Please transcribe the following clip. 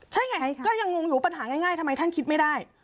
ใช่ไงก็ยังงงอยู่ปัญหาง่ายทำไมท่านคิดไม่ได้